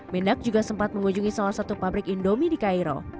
mendak juga sempat mengunjungi salah satu pabrik indomie di cairo